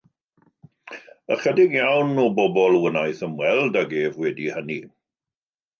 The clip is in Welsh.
Ychydig iawn o bobl wnaeth ymweld ag ef wedi hynny.